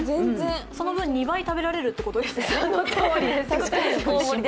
その分２倍食べられるってことですよね。